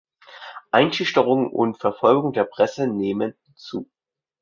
Einschüchterung und Verfolgung der Presse nehmen zu.